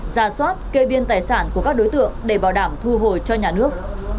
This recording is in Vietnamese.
ra soát kê biên tài sản của các đối tượng để bảo đảm thu hồi cho nhà nước